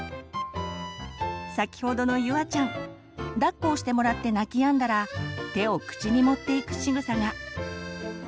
先ほどのゆあちゃんだっこをしてもらって泣きやんだら手を口に持っていくしぐさが。